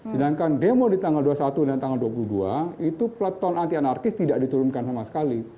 sedangkan demo di tanggal dua puluh satu dan tanggal dua puluh dua itu pleton anti anarkis tidak diturunkan sama sekali